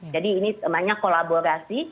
jadi ini semuanya kolaborasi